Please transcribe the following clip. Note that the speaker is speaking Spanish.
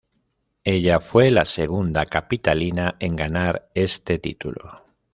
Ella fue la segunda capitalina en ganar este título.